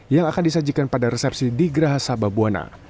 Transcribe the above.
yang akan disajikan pada resepsi di geraha sababwana